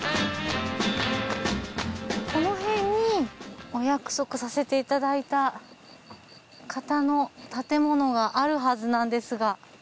このへんにお約束させていただいた方の建物があるはずなんですが。